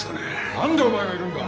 何でお前がいるんだ？